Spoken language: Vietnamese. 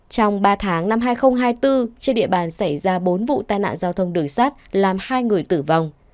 trong ba tháng năm hai nghìn hai mươi bốn trên địa bàn xảy ra bốn vụ tai nạn giao thông đường sát làm hai người tử vong